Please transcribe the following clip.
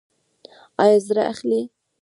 ایا زړه اخلئ؟